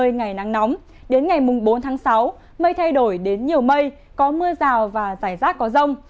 nơi ngày nắng nóng đến ngày bốn tháng sáu mây thay đổi đến nhiều mây có mưa rào và giải rác có rông